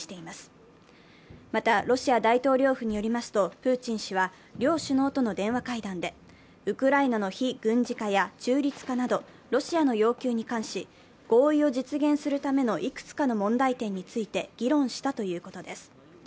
また、ロシア大統領府によりますとプーチン氏は両首脳との電話会談でウクライナの非軍事化や中立化などロシアの要求に関し合意を実現するためのいくつかの問題点について議論したということです。